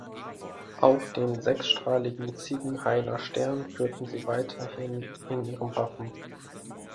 Auch den sechsstrahligen Ziegenhainer Stern führten sie weiterhin in ihrem Wappen.